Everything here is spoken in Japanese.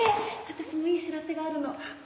私もいい知らせがあるの。